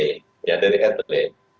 ya dari atle